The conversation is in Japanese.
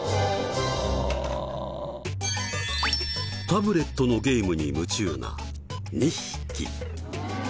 タブレットのゲームに夢中な２匹。